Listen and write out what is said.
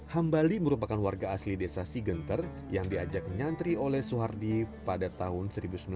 ham bali merupakan warga asli desa sigentar yang diajak menyantri oleh suhardi pada tahun seribu sembilan ratus sembilan puluh tiga